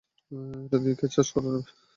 এটা দিয়ে ক্ষেত চাষ করা যাবে।